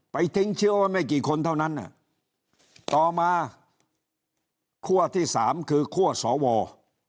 ทิ้งเชื้อไว้ไม่กี่คนเท่านั้นต่อมาคั่วที่สามคือคั่วสว